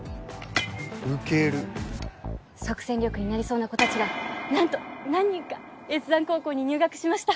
ウケる即戦力になりそうな子達が何と何人か越山高校に入学しました